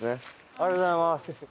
ありがとうございます。